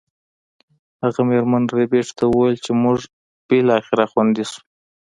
هغه میرمن ربیټ ته وویل چې موږ بالاخره خوندي شو